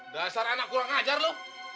dasar anak kurang ajar lo